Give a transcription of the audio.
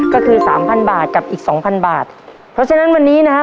ก็คือสามพันบาทกับอีกสองพันบาทเพราะฉะนั้นวันนี้นะฮะ